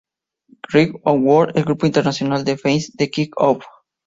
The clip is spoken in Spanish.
Kick Off World, el grupo internacional de fanes de Kick off.